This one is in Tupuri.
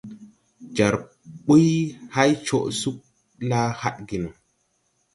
Jar ɓuy hay coʼ suugi la hadge no.